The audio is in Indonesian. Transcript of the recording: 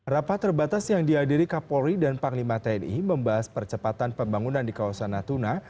rapat terbatas yang dihadiri kapolri dan panglima tni membahas percepatan pembangunan di kawasan natuna